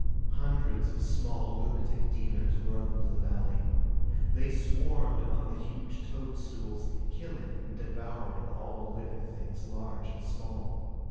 Hundreds of small lunatic demons roamed the valley. They swarmed among the huge toadstools, killing and devouring all living things large and small.